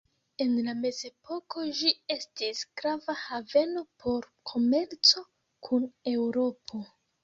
En la mezepoko ĝi estis grava haveno por komerco kun Eŭropo.